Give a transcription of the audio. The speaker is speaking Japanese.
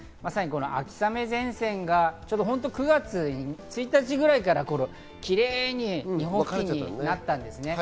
秋雨前線が９月１日ぐらいからキレイに日本付近にあったんですね。